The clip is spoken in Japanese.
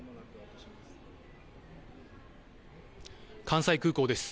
関西空港です。